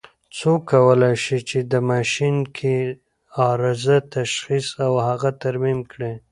څوک کولای شي چې په ماشین کې عارضه تشخیص او هغه ترمیم کړي؟